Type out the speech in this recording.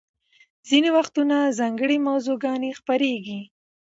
ځینې وختونه ځانګړې موضوعي ګڼې خپریږي.